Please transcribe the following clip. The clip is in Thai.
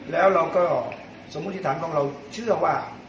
แล้วเราก็สมมุติฐานของเราเชื่อว่า